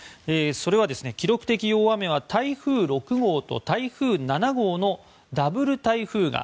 その記録的大雨は台風６号と台風７号のダブル台風が。